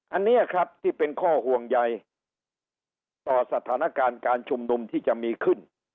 อันนี้ครับที่เป็นข้อห่วงใยต่อสถานการณ์การชุมนุมที่จะมีขึ้น